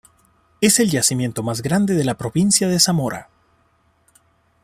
Es el yacimiento más grande de la provincia de Zamora.